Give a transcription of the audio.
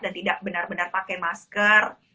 dan tidak benar benar pakai masker